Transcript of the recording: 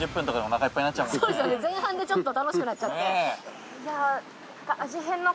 前半でちょっと楽しくなっちゃって。